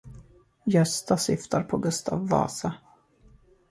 Gösta syftar på Gustav Vasa.